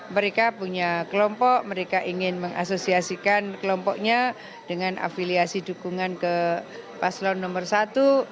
mereka punya kelompok mereka ingin mengasosiasikan kelompoknya dengan afiliasi dukungan ke paslon nomor satu